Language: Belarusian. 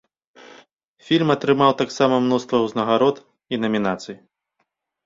Фільм атрымаў таксама мноства ўзнагарод і намінацый.